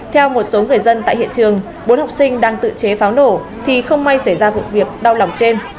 theo một số người dân tại hiện trường bốn học sinh đang tự chế pháo nổ thì không may xảy ra vụ việc đau lòng trên